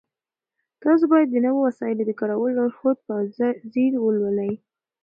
تاسو باید د نويو وسایلو د کارولو لارښود په ځیر ولولئ.